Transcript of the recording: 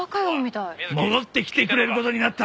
戻ってきてくれる事になった。